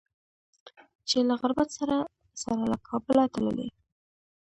چې له غربت سره سره له کابله تللي